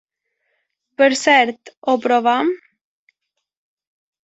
Per cert, ho provem?